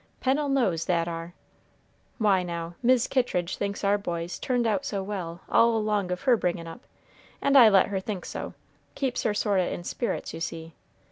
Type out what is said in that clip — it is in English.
Pennel knows that ar. Why, now, Mis' Kittridge thinks our boys turned out so well all along of her bringin' up, and I let her think so; keeps her sort o' in spirits, you see.